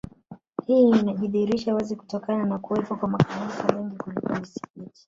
Hii inajidhihirisha wazi kutokana na kuwepo kwa makanisa mengi kuliko misikiti